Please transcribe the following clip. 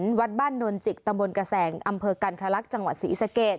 วัดบ้านนวลจิกตำบลกระแสงอำเภอกันทรลักษณ์จังหวัดศรีสะเกด